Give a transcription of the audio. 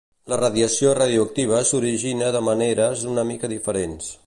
La radiació radioactiva s'origina de maneres una mica diferents.